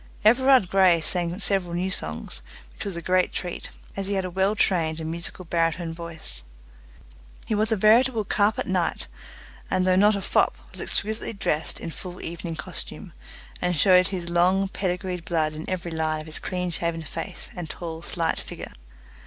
Everard Grey sang several new songs, which was a great treat, as he had a well trained and musical baritone voice. He was a veritable carpet knight, and though not a fop, was exquisitely dressed in full evening costume, and showed his long pedigreed blood in every line of his clean shaven face and tall slight figure.